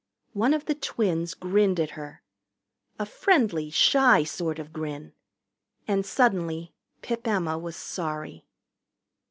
One of the twins grinned at her a friendly, shy sort of grin. And suddenly Pip Emma was sorry.